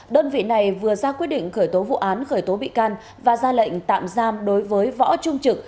đơn vị này vừa ra quyết định khởi tố vụ án khởi tố bị can và ra lệnh tạm giam đối với võ trung trực